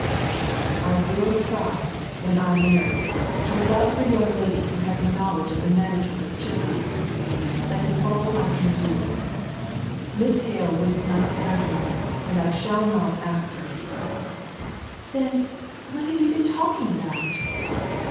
"I will try, when I marry, to look out for a young lady who has a knowledge of the management of children. That is all I can do. Miss Hale will not have me. And I shall not ask her." "Then what have you been talking about?"